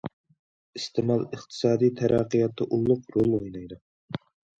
ئىستېمال ئىقتىسادىي تەرەققىياتتا ئۇللۇق رول ئوينايدۇ.